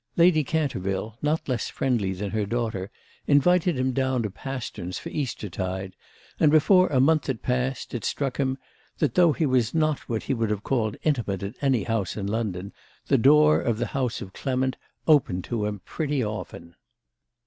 Lady Canterville, not less friendly than her daughter, invited him down to Pasterns for Eastertide, and before a month had passed it struck him that, though he was not what he would have called intimate at any house in London, the door of the house of Clement opened to him pretty often.